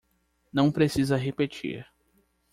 Não precisa repetir